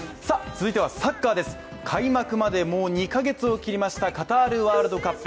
続いてはサッカーです開幕まで２か月を切りました、カタールワールドカップ。